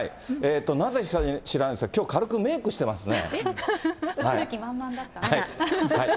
なぜか知らないですが、きょう軽くメークしてますね。